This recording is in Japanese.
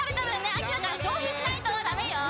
秋だからしょうひしないとダメよ。